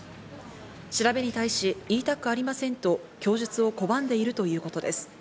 調べに対し言いたくありませんと供述を拒んでいるということです。